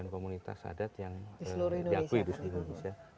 empat puluh sembilan komunitas adat yang diakui di seluruh indonesia